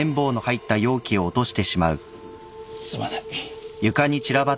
すまない。